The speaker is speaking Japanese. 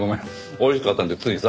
美味しかったんでついさ。